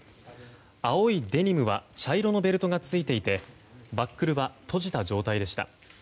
青いデニムは茶色のベルトがついていてバックルは閉じた状態でした。